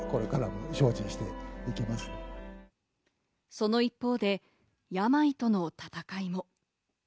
その一方で病との闘いも。